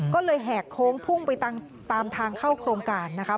ก็เลยแหกโค้งพุ่งไปตามทางเข้าโครงการนะคะ